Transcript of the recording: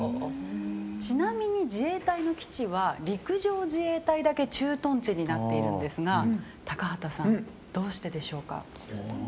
ちなみに、自衛隊の基地は陸上自衛隊だけ駐屯地になっているんですが高畑さん、どうしてでしょうか。